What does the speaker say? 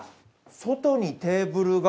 外にテーブルが。